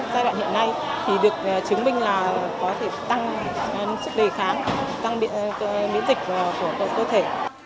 giai đoạn hiện nay thì được chứng minh là có thể tăng sức đề kháng tăng miễn dịch của cơ thể